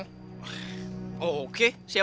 tapi aku mau denger ceritanya dari kamu